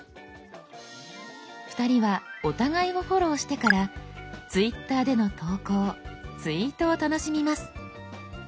２人はお互いをフォローしてから「Ｔｗｉｔｔｅｒ」での投稿「ツイート」を楽しみます。